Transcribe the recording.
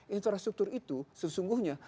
infrastruktur itu sesungguhnya